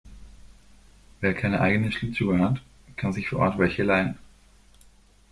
Wer keine eigenen Schlittschuhe hat, kann sich vor Ort welche leihen.